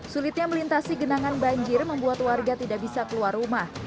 sulitnya melintasi genangan banjir membuat warga tidak bisa keluar rumah